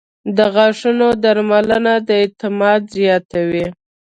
• د غاښونو درملنه د اعتماد زیاتوي.